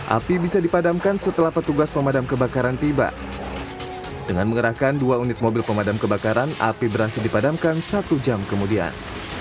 api bisa dipadamkan setelah petugas pemadam kebakaran tiba dengan mengerahkan dua unit mobil pemadam kebakaran api berhasil dipadamkan satu jam kemudian